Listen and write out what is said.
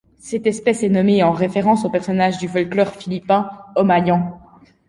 Cette espèce est nommée en référence au personnage du folklore philippin, Omayan.